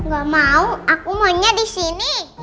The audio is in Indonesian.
gak mau aku maunya disini